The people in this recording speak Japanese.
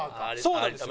そうなんですよ。